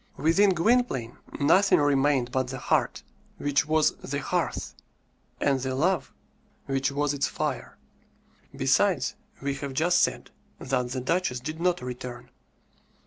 Within Gwynplaine nothing remained but the heart, which was the hearth, and the love, which was its fire. Besides, we have just said that "the duchess" did not return.